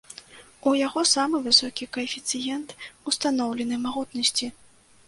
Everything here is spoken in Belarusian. У яго самы высокі каэфіцыент устаноўленай магутнасці.